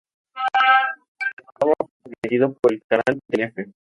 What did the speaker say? El programa fue transmitido por el canal Telefe.